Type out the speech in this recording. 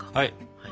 はい。